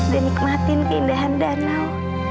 dan nikmatin keindahan danau